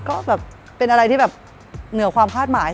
ก็แบบเป็นอะไรที่แบบเหนือความคาดหมาย